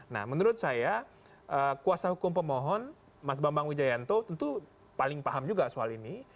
nah menurut saya kuasa hukum pemohon mas bambang wijayanto tentu paling paham juga soal ini